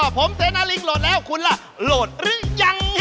ผมเสนาลิงโหลดแล้วคุณล่ะโหลดหรือยัง